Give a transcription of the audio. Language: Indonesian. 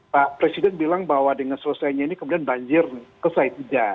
pak presiden bilang bahwa dengan selesainya ini kemudian banjir selesai tidak